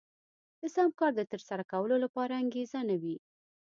د سم کار د ترسره کولو لپاره انګېزه نه وه.